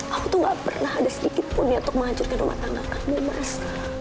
aku tuh nggak pernah ada sedikitpun niat untuk menghancurkan rumah tangga kamu mas